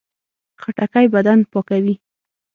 خټکی بدن پاکوي.